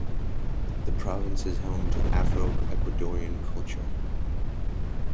The province is home to the Afro-Ecuadorian culture.